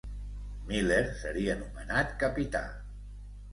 Miller seria nomenat capità.